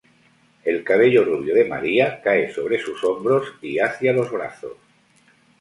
El cabello rubio de María cae sobre sus hombros y hacia los brazos.